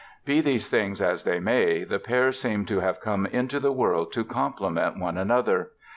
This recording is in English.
Be these things as they may, the pair seemed to have come into the world to complement one another.